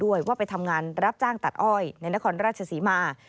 ด้วยว่าไปทำงานรับจ้างตัดอ้อยในนครราชศรีมา